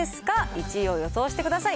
１位を予想してください。